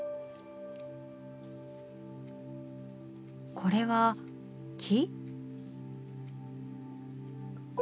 これは木？